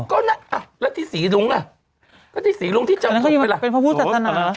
ก็น่ะอ่ะแล้วที่ศรีรุ้งอ่ะแล้วที่ศรีรุ้งที่จำไปล่ะอันนั้นเขายังเป็นพระพุทธศาสนา